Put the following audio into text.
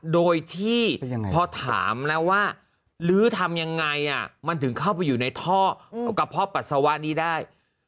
โดยที่พอถามแล้วว่าลื้อทำยังไงมันถึงเข้าไปอยู่ในท่อกระเพาะปัสสาวะนี้ได้